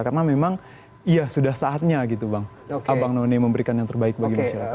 karena memang iya sudah saatnya gitu bang abang none memberikan yang terbaik bagi masyarakat